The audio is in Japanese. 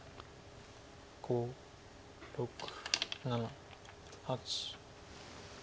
５６７８。